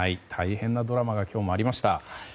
大変なドラマが今日もありました。